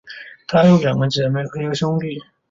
她有两个姐妹和一个兄弟。